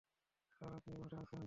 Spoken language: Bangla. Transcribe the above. স্যার, আপনিই মাঠে আছেন।